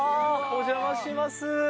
お邪魔します。